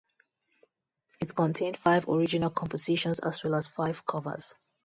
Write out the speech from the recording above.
It contained five original compositions as well as five covers.